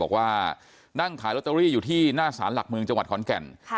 บอกว่านั่งขายลอตเตอรี่อยู่ที่หน้าสารหลักเมืองจังหวัดขอนแก่น